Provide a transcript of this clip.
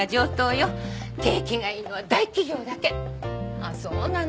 ああそうなの。